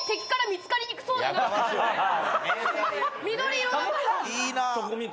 緑色だから。